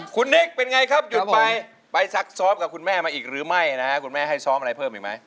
คุณนิกเป็นไงครับหยุดไปไปซักซ้อมกับคุณแม่มาอีกหรือไม่นะฮะคุณแม่ให้ซ้อมอะไรเพิ่มอีกไหม